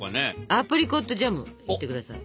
アプリコットジャムを塗ってください。